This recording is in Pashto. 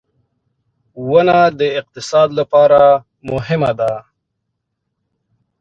• ونه د اقتصاد لپاره مهمه ده.